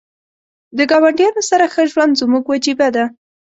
د ګاونډیانو سره ښه ژوند زموږ وجیبه ده .